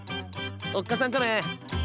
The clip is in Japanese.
おっかさん仮面